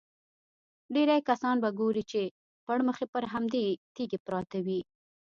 ډېری کسان به ګورې چې پړمخې پر همدې تیږې پراته وي.